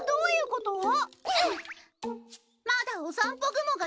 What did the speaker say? そういうこと！